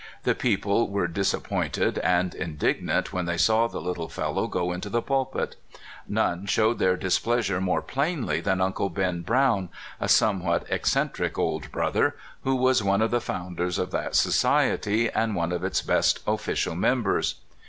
The people were disappointed and indignant when they saw the little fellow go into the pulpit. None showed their displeasure more plainly than Uncle Ben Brown, a somewhat eccentric old brother, who was one of the founders of that society, and one of its best official members.